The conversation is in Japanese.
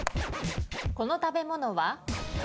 この食べ物は？